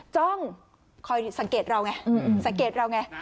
จ้องคอยสังเกตเราไงสังเกตเราไง